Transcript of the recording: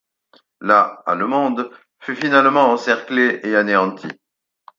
La allemande fut finalement encerclée et anéantie.